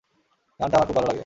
গানটা আমার খুব ভালো লাগে।